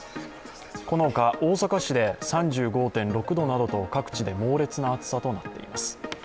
このほか、大阪市で３５．６度などと各地で猛烈な暑さとなっています。